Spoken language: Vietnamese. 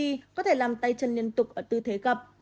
co cứng cơ bụng có thể làm tay chân liên tục ở tư thế gập